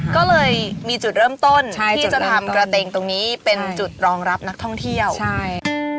ก็เลยมีจุดเริ่มต้นที่จะทำกระเตงตรงนี้เป็นจุดรองรับนักท่องเที่ยวใช่อืม